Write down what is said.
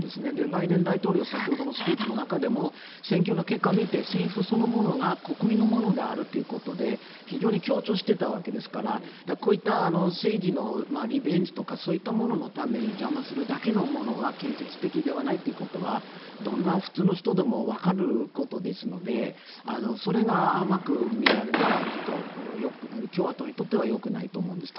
バイデン大統領先ほどのスピーチの中でも選挙の結果を見て政府そのものが国民のものであるということで非常に強調していたわけですからこういった政治のリベンジとかそういったもののために邪魔するだけのものは建設的ではないというのはどんな普通な人でもわかることですのでそれが甘く見られたら共和党にとってはよくないと思うんです。